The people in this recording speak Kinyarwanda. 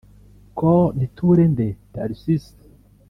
Col Nditurende Tharcisse